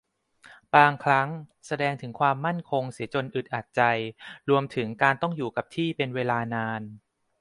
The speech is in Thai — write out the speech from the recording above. บางครั้งแสดงถึงความมั่นคงเสียจนอึดอัดใจ รวมถึงการต้องอยู่กับที่เป็นเวลานาน